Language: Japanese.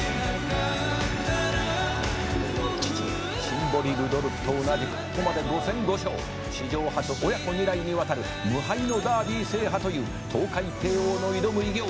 「シンボリルドルフと同じここまで５戦５勝」「史上初親子２代にわたる無敗のダービー制覇というトウカイテイオーの挑む偉業」